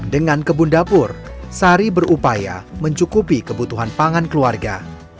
dengan kebun dapur sari berupaya mencukupi kebutuhan pangan keluarga